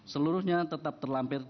seluruhnya tetap terlampir dalam